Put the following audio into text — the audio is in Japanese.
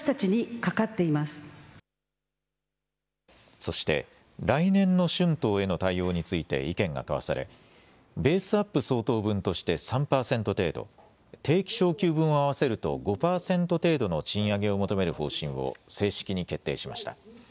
そして来年の春闘への対応について意見が交わされ、ベースアップ相当分として３％程度、定期昇給分を合わせると５％程度の賃上げを求める方針を正式に決定しました。